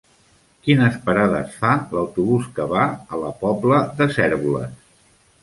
Quines parades fa l'autobús que va a la Pobla de Cérvoles?